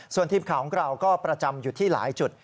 ส่วนทีมข่าวของเราก็ประจำอยู่ที่หลายจุด